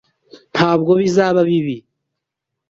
Ntabwo bizaba bibi.